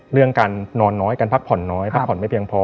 เรื่องการนอนน้อยการพักผ่อนน้อยพักผ่อนไม่เพียงพอ